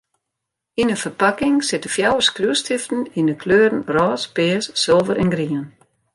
Yn in ferpakking sitte fjouwer skriuwstiften yn 'e kleuren rôs, pears, sulver en grien.